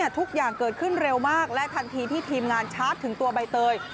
ทุกอย่างเกิดขึ้นเร็วมากและทันทีที่ทีมงานชาร์จถึงตัวใบเตย